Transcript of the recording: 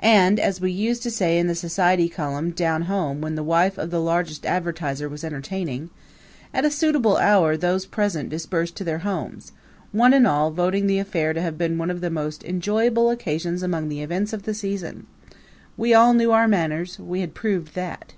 And, as we used to say in the society column down home when the wife of the largest advertiser was entertaining, "at a suitable hour those present dispersed to their homes, one and all voting the affair to have been one of the most enjoyable occasions among like events of the season." We all knew our manners we had proved that.